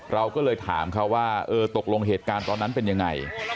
เราก็เลยถามเขาว่าเออตกลงเหตุการณ์ตอนนั้นเป็นยังไง